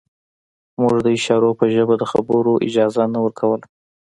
موږ د اشارو په ژبه د خبرو اجازه نه ورکوله